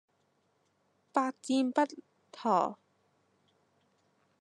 百戰不殆